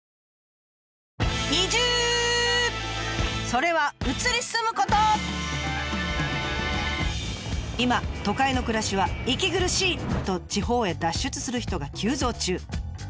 それは今都会の暮らしは息苦しい！と地方へ脱出する人が急増中。